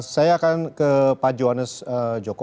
saya akan ke pak johannes joko